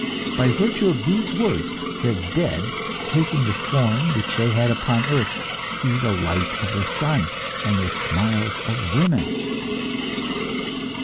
By virtue of these words, the dead, taking the form which they had upon earth, see the light of the sun and the smiles of women."